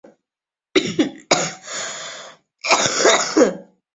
清朝军事人物。